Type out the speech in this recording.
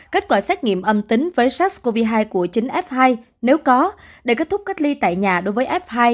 kết quả xét nghiệm âm tính với sars cov hai của chính f hai nếu có để kết thúc cách ly tại nhà đối với f hai